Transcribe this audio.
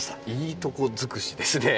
いいとこ尽くしですね。